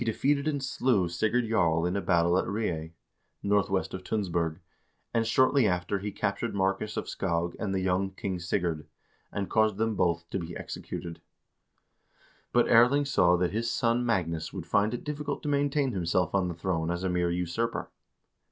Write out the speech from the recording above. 2. THE SECOND STAGE OF CIVIL WARS 363 Sigurd Jarl in a battle at Ree, northwest of Tunsberg, and shortly after he captured Markus of Skog and the young King Sigurd, and caused them both to be executed. But Erling saw that his son Magnus would find it difficult to maintain himself on the throne as a mere usurper.